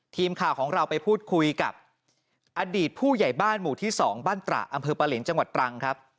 ทีมข่าวของเราไปพูดคุยกับอดีตผู้ใหญ่บ้านหมู่ที่๒บ้านตระอำเภอปะเหลียงจังหวัดตรังครับ